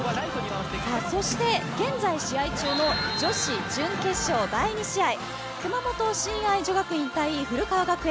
そして現在試合中の女子準決勝第２試合熊本信愛女学院対古川学園。